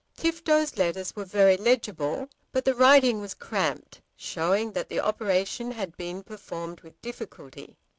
Tifto's letters were very legible, but the writing was cramped, showing that the operation had been performed with difficulty.